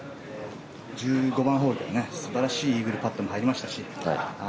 １５番ホールでは素晴らしいイーグルパットもありましたし